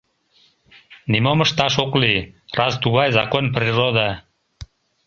Нимом ышташ ок лий, раз тугай закон-природа...